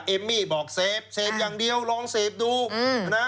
เอมมี่บอกเสพเสพอย่างเดียวลองเสพดูนะ